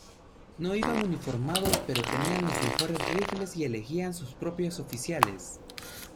No iban uniformados, pero tenían los mejores rifles y elegían sus propios oficiales.